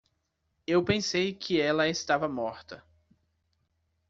Eu pensei que ela estava morta.